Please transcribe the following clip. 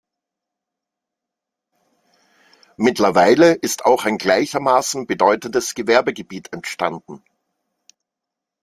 Mittlerweile ist auch ein gleichermaßen bedeutendes Gewerbegebiet entstanden.